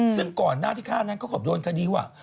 ซึ่งก่อนหน้าที่ฆ่าแล้วก็โดนคดีวว่า